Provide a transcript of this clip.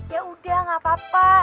yaudah gak apa apa